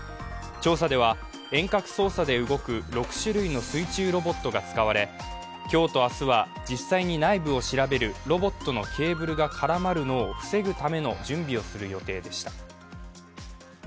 調査では遠隔操作で動く６種類の水中ロボットが使われ今日と明日は、実際に内部を調べるロボットのケーブルが絡まるのを防ぐための準備をする予定でした。